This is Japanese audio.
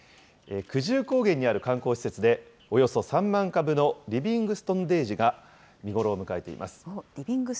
久住高原にある観光施設で、およそ３万株のリビングストンデージーが見頃を迎えています。